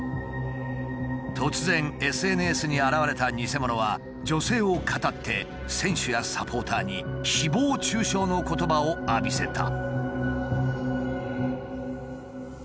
突然ＳＮＳに現れたニセモノは女性をかたって選手やサポーターに誹謗中傷の言葉を浴びせた。